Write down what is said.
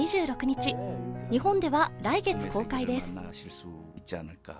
日本では来月公開です。